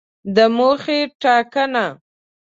د موخې ټاکنه